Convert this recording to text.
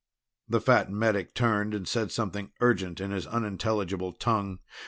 The fat medic turned and said something urgent in his unintelligible tongue.